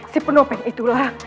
si penopeng itulah